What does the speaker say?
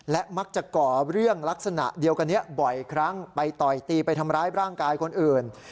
และมักจะก่อเรื่องลักษณะเดียวกันนี้บ่อยครั้งไปต่อยตีไปทำร้ายร่างกายคนอื่น